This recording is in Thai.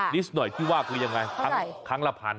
ลิสต์หน่อยพี่ว่าก็ยังไงครั้งละพัน